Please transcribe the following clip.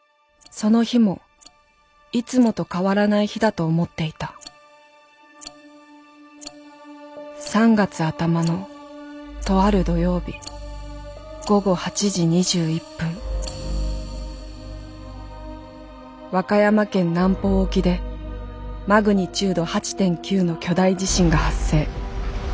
その日もいつもと変わらない日だと思っていた３月頭のとある土曜日午後８時２１分和歌山県南方沖でマグニチュード８．９の巨大地震が発生。